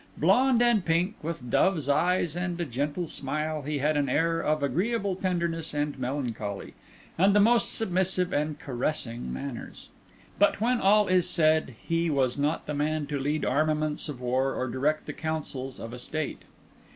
Blond and pink, with dove's eyes and a gentle smile, he had an air of agreeable tenderness and melancholy, and the most submissive and caressing manners. But when all is said, he was not the man to lead armaments of war, or direct the councils of a State.